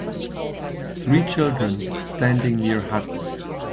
Three children standing near huts.